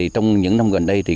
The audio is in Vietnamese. trong những năm gần đây